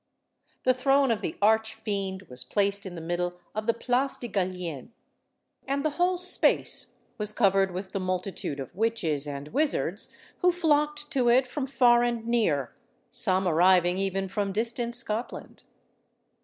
The throne of the arch fiend was placed in the middle of the Place de Gallienne, and the whole space was covered with the multitude of witches and wizards who flocked to it from far and near, some arriving even from distant Scotland.